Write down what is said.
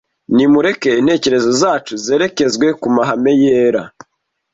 Nimureke intekerezo zacu zerekezwe ku mahame yera